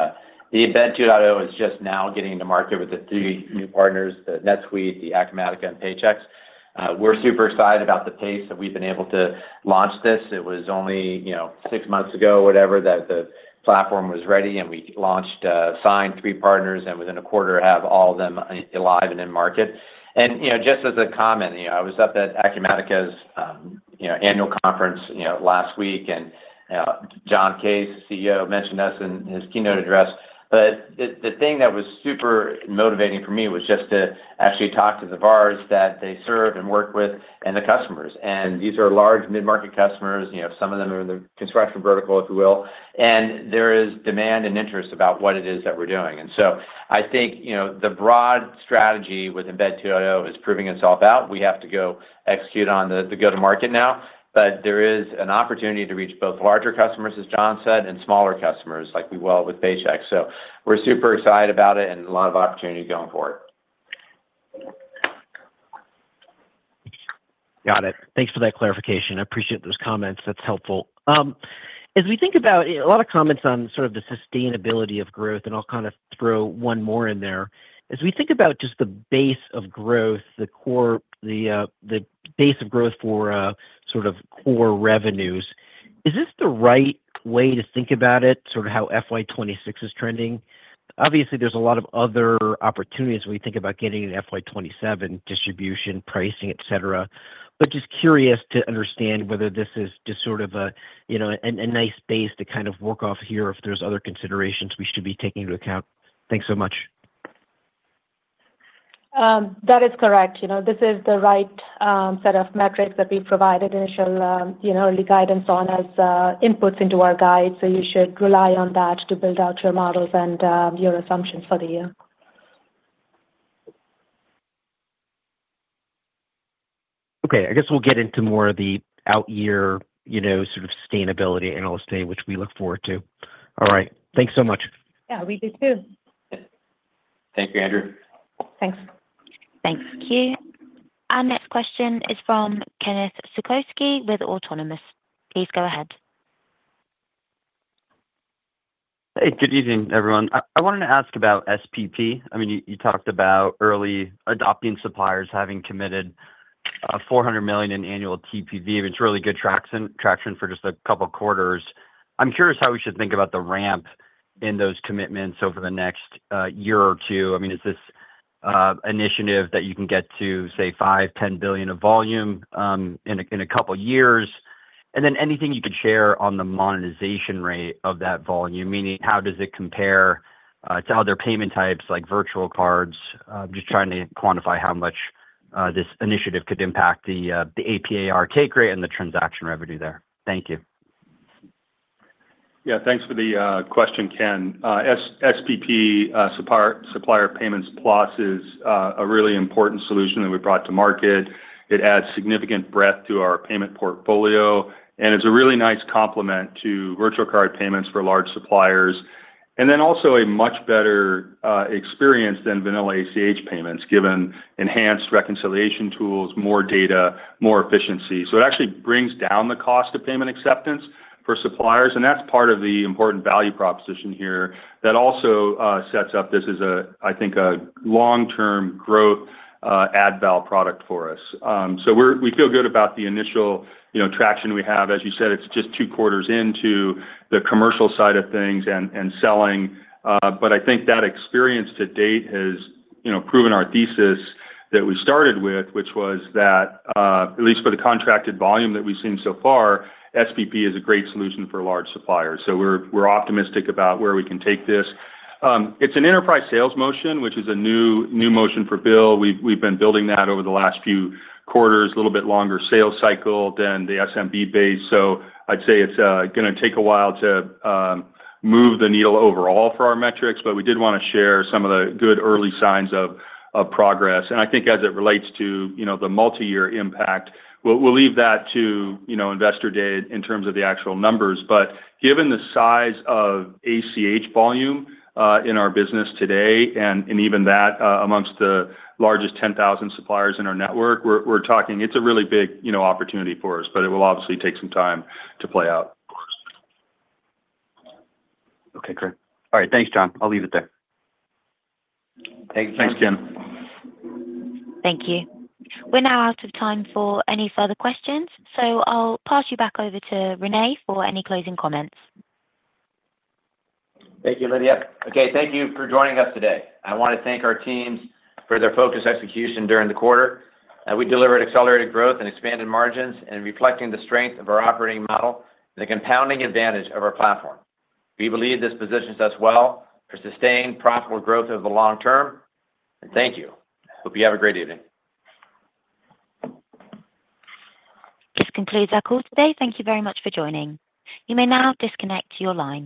Embed 2.0 is just now getting to market with the three new partners, the NetSuite, the Acumatica, and Paychex. We're super excited about the pace that we've been able to launch this. It was only, you know, six months ago, whatever, that the platform was ready, and we launched, signed three partners, and within a quarter, have all of them alive and in market. And, you know, just as a comment, you know, I was up at Acumatica's, you know, annual conference, you know, last week, and, John Case, CEO, mentioned us in his keynote address. But the thing that was super motivating for me was just to actually talk to the VARs that they serve and work with and the customers. And these are large mid-market customers, you know, some of them are in the construction vertical, if you will, and there is demand and interest about what it is that we're doing. And so I think, you know, the broad strategy with Embed 2.0 is proving itself out. We have to go execute on the go-to-market now, but there is an opportunity to reach both larger customers, as John said, and smaller customers, like we will with Paychex. So we're super excited about it and a lot of opportunity going forward. Got it. Thanks for that clarification. I appreciate those comments. That's helpful. As we think about... A lot of comments on sort of the sustainability of growth, and I'll kind of throw one more in there. As we think about just the base of growth, the core, the base of growth for sort of core revenues, is this the right way to think about it, sort of how FY 2026 is trending? Obviously, there's a lot of other opportunities when we think about getting an FY 2027 distribution, pricing, et cetera. But just curious to understand whether this is just sort of a, you know, a nice base to kind of work off here or if there's other considerations we should be taking into account. Thanks so much. That is correct. You know, this is the right set of metrics that we provided initial, you know, early guidance on as inputs into our guide, so you should rely on that to build out your models and your assumptions for the year. Okay, I guess we'll get into more of the out year, you know, sort of sustainability Analyst Day, which we look forward to. All right. Thanks so much. Yeah, we do, too. Thank you, Andrew. Thanks. Thank you. Our next question is from Ken Suchoski with Autonomous. Please go ahead. Hey, good evening, everyone. I wanted to ask about SPP. I mean, you talked about early adopting suppliers having committed $400 million in annual TPV, which is really good traction for just a couple of quarters. I'm curious how we should think about the ramp in those commitments over the next year or two. I mean, is this initiative that you can get to, say, $5 billion-$10 billion of volume in a couple of years? And then anything you could share on the monetization rate of that volume, meaning how does it compare to other payment types like virtual cards? Just trying to quantify how much this initiative could impact the AP/AR take rate and the transaction revenue there. Thank you. Yeah, thanks for the question, Ken. SPP, Supplier Payments Plus is a really important solution that we brought to market. It adds significant breadth to our payment portfolio, and it's a really nice complement to virtual card payments for large suppliers. And then also a much better experience than vanilla ACH payments, given enhanced reconciliation tools, more data, more efficiency. So it actually brings down the cost of payment acceptance for suppliers, and that's part of the important value proposition here that also sets up this as a, I think, a long-term growth ad val product for us. So we feel good about the initial, you know, traction we have. As you said, it's just two quarters into the commercial side of things and selling, but I think that experience to date has, you know, proven our thesis that we started with, which was that at least for the contracted volume that we've seen so far, SPP is a great solution for large suppliers. So we're optimistic about where we can take this. It's an enterprise sales motion, which is a new motion for BILL. We've been building that over the last few quarters, a little bit longer sales cycle than the SMB base. So I'd say it's gonna take a while to move the needle overall for our metrics, but we did want to share some of the good early signs of progress. And I think as it relates to, you know, the multi-year impact, we'll leave that to, you know, Investor Day in terms of the actual numbers. But given the size of ACH volume in our business today, and even that amongst the largest 10,000 suppliers in our network, we're talking, it's a really big, you know, opportunity for us, but it will obviously take some time to play out. Okay, great. All right. Thanks, John. I'll leave it there. Thanks, Ken. Thank you. We're now out of time for any further questions, so I'll pass you back over to René for any closing comments. Thank you, Lydia. Okay, thank you for joining us today. I want to thank our teams for their focused execution during the quarter. We delivered accelerated growth and expanded margins, reflecting the strength of our operating model and the compounding advantage of our platform. We believe this positions us well for sustained profitable growth over the long term. Thank you. Hope you have a great evening. This concludes our call today. Thank you very much for joining. You may now disconnect your lines.